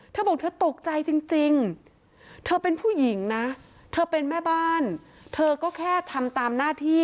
เธอบอกเธอตกใจจริงเธอเป็นผู้หญิงนะเธอเป็นแม่บ้านเธอก็แค่ทำตามหน้าที่